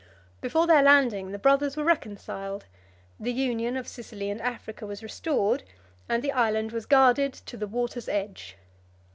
Before their landing, the brothers were reconciled; the union of Sicily and Africa was restored; and the island was guarded to the water's edge.